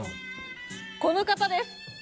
この方です！